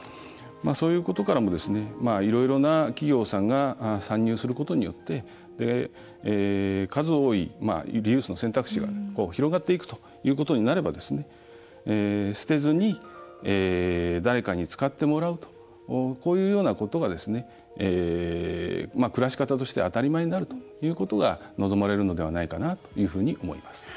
そういうことからもいろいろな企業さんが参入することによって数多いリユースの選択肢が広がっていくということになれば捨てずに誰かに使ってもらうとこういうようなことが暮らし方として当たり前になるということが望まれるのではないかなというふうに思います。